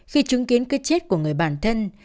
khi chứng kiến cái chết của người bản thân